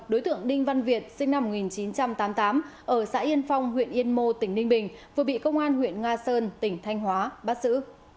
đối tượng đinh văn việt sinh năm một nghìn chín trăm tám mươi tám ở xã yên phong huyện yên mô tỉnh ninh bình vừa bị công an huyện nga sơn tỉnh thanh hóa bắt giữ